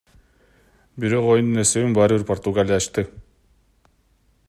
Бирок оюндун эсебин баары бир Португалия ачты.